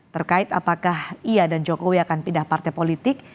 terkait apakah ia dan jokowi akan pindah partai politik